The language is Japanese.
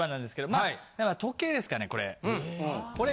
まあ時計ですかねこれ。